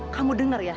kamu dengar ya